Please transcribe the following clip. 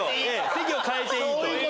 席を替えていいと。